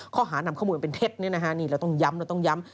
ข้อหานำข้อมูลเป็นเท็จนี่เราต้องย้ำเราต้องย้ำ